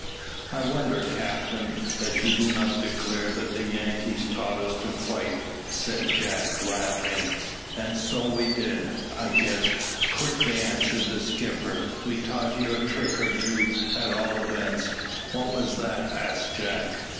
"I wonder, captain, that you do not declare that the Yankees taught us to fight," said Jack, laughing. "And so we did, I guess," quickly answered the skipper. "We taught you a trick or two, at all events." "What was that?" asked Jack.